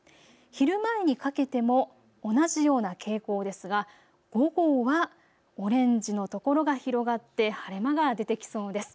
昼前にかけても同じような傾向ですが午後はオレンジの所が広がって晴れ間が出てきそうです。